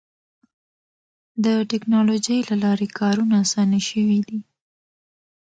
د ټکنالوجۍ له لارې کارونه اسانه شوي دي.